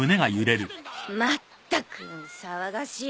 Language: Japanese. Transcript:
まったく騒がしい。